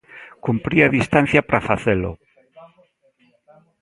Cumpría distancia para facelo.